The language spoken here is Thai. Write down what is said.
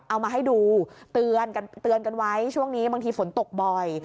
เอามาให้ดูเตือนกันไว้ช่วงนี้บางทีฝนตกบ่อย